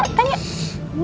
untung ada reina disini